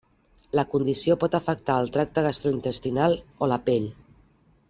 La condició pot afectar el tracte gastrointestinal o la pell.